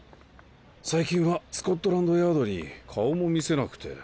最近はスコットランドヤードに顔も見せなくて。